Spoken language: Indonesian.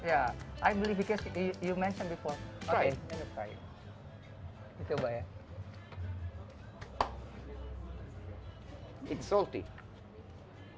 ya saya percaya karena kamu sudah menyebutkan sebelumnya